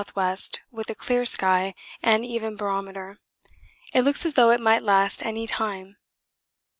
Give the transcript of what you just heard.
W., with a clear sky and even barometer. It looks as though it might last any time.